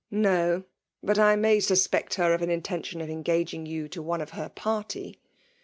'*" No — but I may. suspect her of an inten tion of engaging you to one of her party.